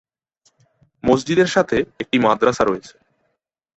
মসজিদের সাথে একটি মাদ্রাসা রয়েছে।